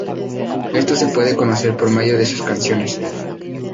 Esto se puede conocer por medio de sus canciones.